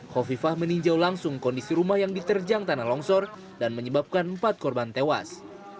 hovifah meninjau langsung kondisi rumah yang diterjang tanah longsor dan menyebabkan empat korban tewas